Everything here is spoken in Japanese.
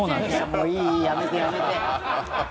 もういいやめて、やめて。